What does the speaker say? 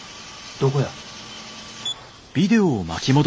どこや。